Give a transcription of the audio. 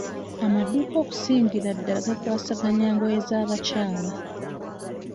Amadduuka okusingira ddala gakwasaganya ngoye z'abakyala.